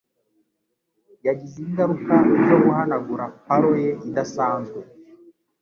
yagize ingaruka zo guhanagura pallor ye idasanzwe